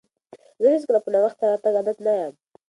زه هیڅکله په ناوخته راتګ عادت نه یم.